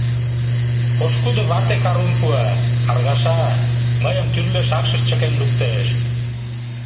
Пошкудо вате карум пуа, каргаша, мыйым тӱрлӧ шакшыш чыкен луктеш.